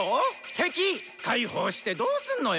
敵解放してどーすんのよ。